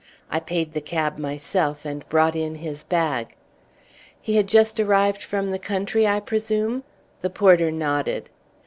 I paid the cab myself and brought in his bag." "He had just arrived from the country, I presume?" The porter nodded.